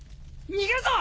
逃げるぞ！